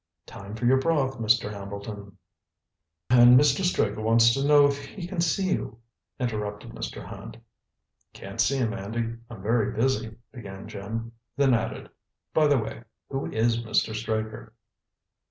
] "Time for your broth, Mr. Hambleton, and Mr. Straker wants to know if he can see you," interrupted Mr. Hand. "Can't see him, Andy. I'm very busy," began Jim; then added, "By the way, who is Mr. Straker?"